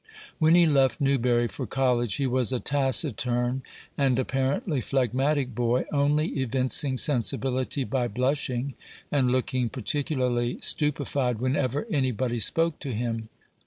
When he left Newbury for college, he was a taciturn and apparently phlegmatic boy, only evincing sensibility by blushing and looking particularly stupefied whenever any body spoke to him.